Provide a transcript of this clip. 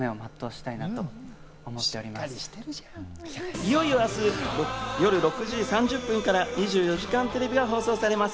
いよいよ明日、夜６時３０分から『２４時間テレビ』が放送されます。